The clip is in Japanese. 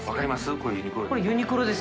これ「ユニクロ」なんです。